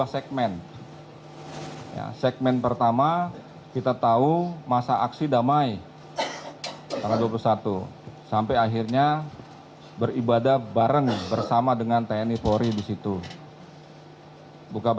saya akan mencoba